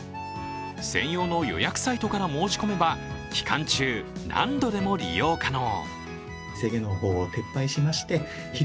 専用の予約サイトから申し込めば期間中、何度でも利用可能。